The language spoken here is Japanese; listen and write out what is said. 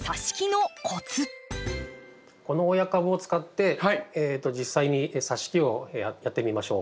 この親株を使って実際にさし木をやってみましょう。